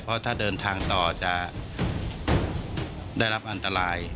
เพราะถ้าเดินทางต่อจะได้รับอันตราย